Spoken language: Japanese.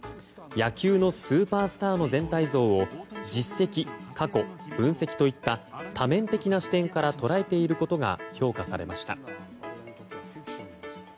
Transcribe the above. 野球のスーパースターの全体像を実績、過去、分析といった多面的な視点から捉えていることが評価されました。